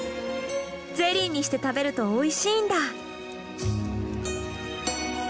ゼリーにして食べるとおいしいんだ。